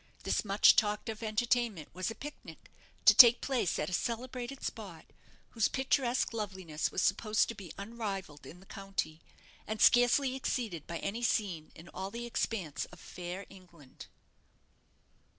This much talked of entertainment was a pic nic, to take place at a celebrated spot, whose picturesque loveliness was supposed to be unrivalled in the county, and scarcely exceeded by any scene in all the expanse of fair England.